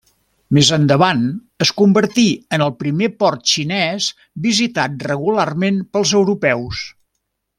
Més endavant, es convertí en el primer port xinès visitat regularment pels europeus.